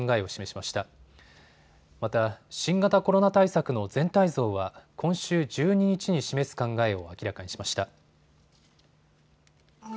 また、新型コロナ対策の全体像は今週１２日に示す考えを明らかにしました。